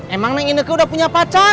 emang indek udah punya pacar